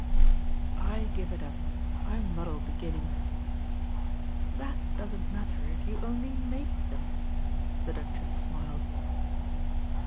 "I give it up. I muddle beginnings." "That doesn't matter if you only MAKE them," the Duchess smiled.